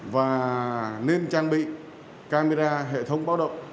và nên trang bị camera hệ thống báo động